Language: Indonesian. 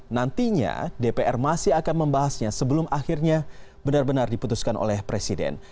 nantinya dpr masih akan membahasnya sebelum akhirnya benar benar diputuskan oleh presiden